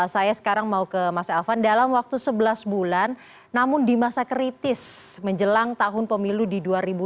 saya sekarang mau ke mas elvan dalam waktu sebelas bulan namun di masa kritis menjelang tahun pemilu di dua ribu dua puluh